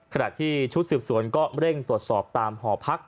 ขณะที่ชุดสืบสวนก็เร่งตรวจสอบตามหอพัก